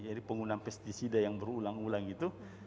jadi penggunaan pesticida yang berulang ulang gitu